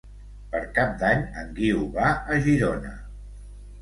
Per Cap d'Any en Guiu va a Girona.